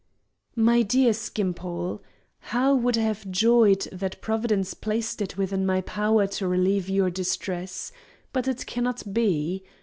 MY DEAR SKIMPOLE,—How would I have joyed, had Providence placed it within my power to relieve your distress! But it cannot be.